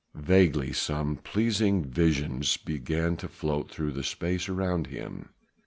Vaguely some pleasing visions began to float through space around him.